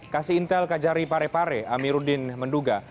kasih intel ke jari parepare amirudin menduga